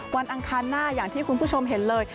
อังคารหน้าอย่างที่คุณผู้ชมเห็นเลย